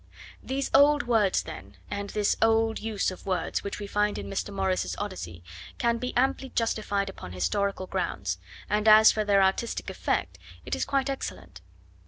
These old words, then, and this old use of words which we find in Mr. Morris's Odyssey can be amply justified upon historical grounds, and as for their artistic effect, it is quite excellent.